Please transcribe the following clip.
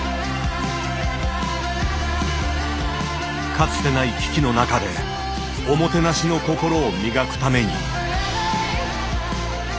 かつてない危機の中で「おもてなし」の心を磨くために。